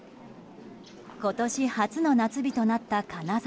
今年初の夏日となった金沢。